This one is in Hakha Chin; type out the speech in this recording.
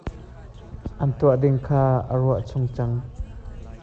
An tuah ding kha a ruah chung cang.